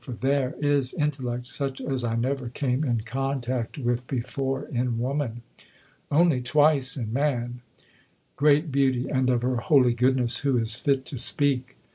for there is intellect such as I never came in contact with before in woman! only twice in man great beauty, and of her holy goodness who is fit to speak?"